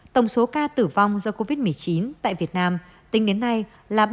tổng số ca tử vong do covid một mươi chín tại việt nam tính đến nay là ba mươi bốn năm trăm ba mươi một ca